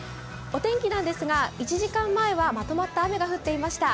お天気なんですが、１時間前はまとまった雨が降っていました。